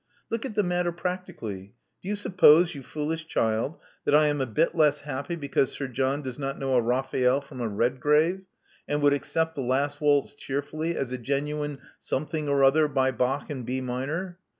Look at the matter practically. Do you suppose, you foolish child, that I am a bit less happy because Sir John does not know a Raphael from a Redgrave, and would accept the last waltz cheerfully as a genuine something or other by Bach in B minor?